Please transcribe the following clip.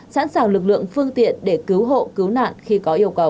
sẵn sàng lực lượng phương tiện để cứu hộ cứu nạn khi có yêu cầu